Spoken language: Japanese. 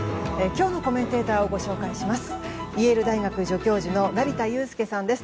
今日のコメンテーターをご紹介します。